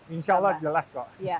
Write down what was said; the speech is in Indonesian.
insya allah jelas kok